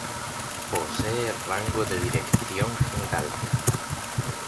Posee rango de dirección general.